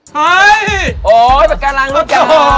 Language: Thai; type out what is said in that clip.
โหปากกาลังรู้จัก